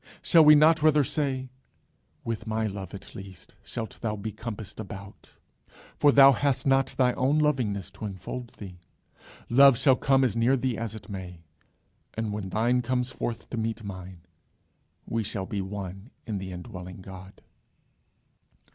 Shall we not rather say, "With my love at least shalt thou be compassed about, for thou hast not thy own lovingness to infold thee; love shall come as near thee as it may; and when thine comes forth to meet mine, we shall be one in the indwelling God"?